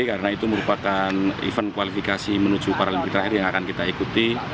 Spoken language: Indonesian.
karena itu merupakan event kualifikasi menuju paralimpik terakhir yang akan kita ikuti